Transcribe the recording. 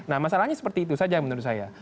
nah masalahnya seperti itu saja menurut saya